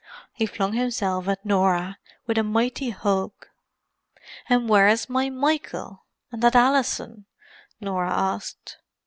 He flung himself at Norah, with a mighty hug. "And where's my Michael—and that Alison?" Norah asked.